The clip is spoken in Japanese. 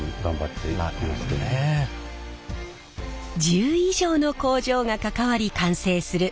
１０以上の工場が関わり完成する一枚の手ぬぐい。